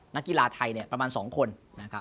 นักกีฬาไทยเนี่ยประมาณ๒คนนะครับ